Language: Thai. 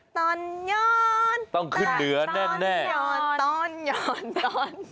ตอนย้อนตอนย้อนตอนย้อนตอนย้อนตอนย้อนตอนย้อน